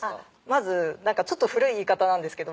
まずちょっと古い言い方なんですけど